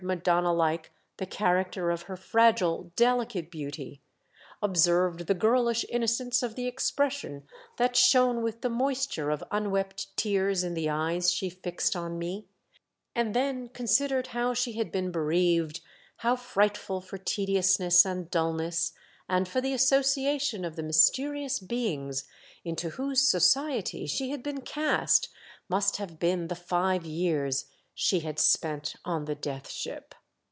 Madonna Hke the character of her fragile, delicate beauty, observed the girlish inno cence of the expression that shone with the moisture of unwept tears in the eyes she fixed on me, and then considered how she had been bereaved, how frightful for tedious ness and dullness, and for the association of the mysterious beings into whose society she had been cast, must have been the five years she had spent on the Death Ship.